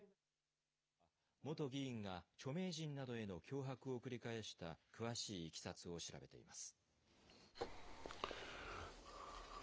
警視庁は、元議員が著名人などへの脅迫を繰り返した詳しいいきさつを調べています。